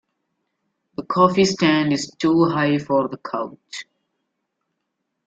The coffee stand is too high for the couch.